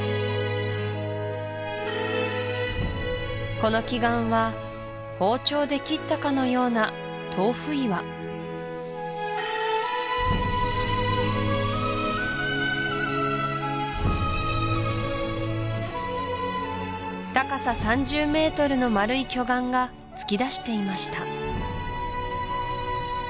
この奇岩は包丁で切ったかのようなトーフ岩高さ３０メートルの丸い巨岩が突き出していました